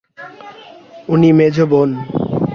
ইনি মেজো বোন।